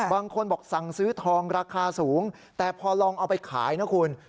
บางคนบอกสั่งซื้อทองราคาสูงแต่พอลองเอาไปขายนะคุณ